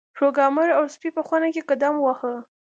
پروګرامر او سپی په خونه کې قدم واهه